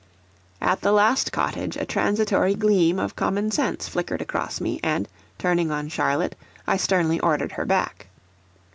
At the last cottage a transitory gleam of common sense flickered across me, and, turning on Charlotte, I sternly ordered her back.